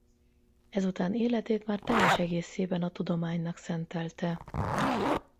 Ezután életét már teljes egészében a tudománynak szentelte.